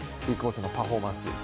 ビッグボスのパフォーマンス